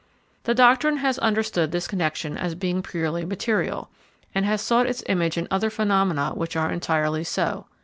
The doctrine has understood this connection as being purely material, and has sought its image in other phenomena which are entirely so.